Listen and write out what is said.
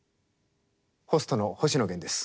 ホストの星野源です。